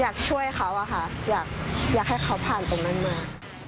อยากให้เขาผ่านตรงนั้นมา